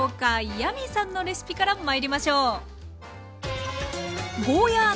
ヤミーさんのレシピから参りましょう。